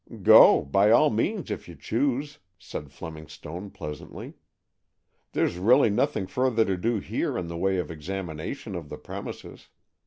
"Go, by all means, if you choose," said Fleming Stone pleasantly. "There's really nothing further to do here in the way of examination of the premises.